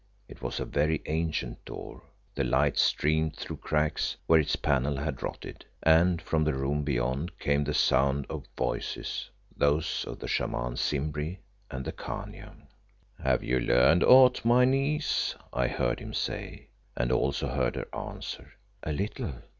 It was a very ancient door; the light streamed through cracks where its panels had rotted, and from the room beyond came the sound of voices, those of the Shaman Simbri and the Khania. "Have you learned aught, my niece?" I heard him say, and also heard her answer "A little.